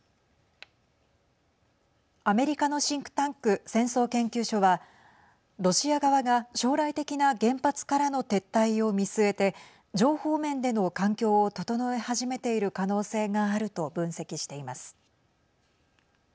アメリカのシンクタンク戦争研究所はロシア側が将来的な原発からの撤退を見据えて情報面での環境を整え始めている可能性があると分析しています。